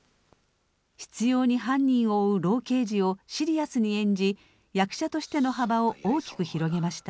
執ように犯人を追う老刑事をシリアスに演じ役者としての幅を大きく広げました。